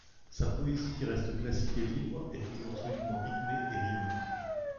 Sa poésie, qui reste classique et libre, est toujours solidement rythmée et rimée.